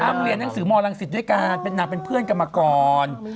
เรียนหนังสือมรังสิตด้วยกันเป็นนางเป็นเพื่อนกันมาก่อน